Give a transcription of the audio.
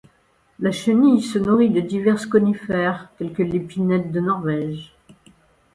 La chenille se nourrit de divers conifères, tels que l'épinette de Norvège.